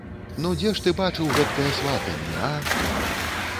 Ну, дзе ж ты бачыў гэткае сватанне, а?